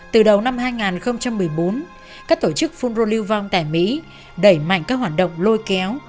từ đầu năm hai nghìn một mươi bốn các tổ chức phun rô lưu vong tại mỹ đẩy mạnh các hoạt động lôi kéo